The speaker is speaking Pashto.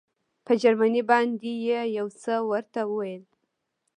په جرمني باندې یې یو څه ورته وویل.